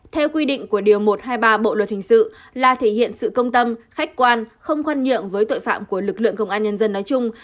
theo quy định của điều một trăm hai mươi ba bộ luật hình sự là thể hiện sự công tâm khách quan không khoan nhượng với tội phạm của lực lượng công an nhân dân nói chung